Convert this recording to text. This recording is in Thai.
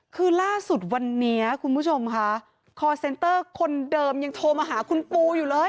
คือล่าสุดวันนี้คุณผู้ชมค่ะคอร์เซนเตอร์คนเดิมยังโทรมาหาคุณปูอยู่เลย